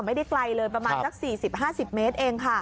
ไม่ได้ไกลเลยประมาณสัก๔๐๕๐เมตรเองค่ะ